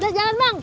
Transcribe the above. udah jalan bang